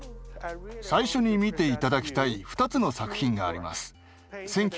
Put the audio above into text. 最初に見て頂きたい２つの作品があります。